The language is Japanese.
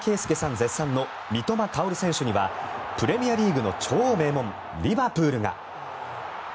絶賛の三笘薫選手にはプレミアリーグの超名門リバプールが。